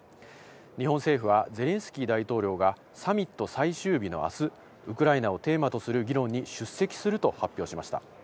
日本政府は、ゼレンスキー大統領がサミット最終日のあす、ウクライナをテーマとする議論に出席すると発表しました。